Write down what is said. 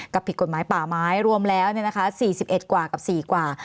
ผิดกฎหมายป่าไม้รวมแล้ว๔๑กว่ากับ๔กว่า